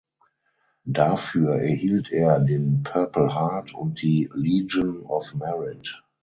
Dafür erhielt er den Purple Heart und die Legion of Merit.